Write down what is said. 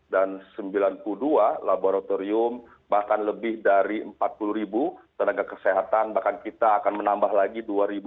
dan sembilan puluh dua laboratorium bahkan lebih dari empat puluh ribu tenaga kesehatan bahkan kita akan menambah lagi dua tujuh ratus delapan puluh tujuh